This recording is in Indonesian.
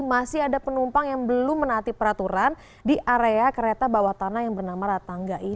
masih ada penumpang yang belum menaati peraturan di area kereta bawah tanah yang bernama ratangga ini